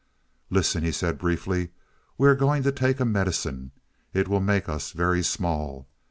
"Listen," he said briefly. "We are going to take a medicine; it will make us very small.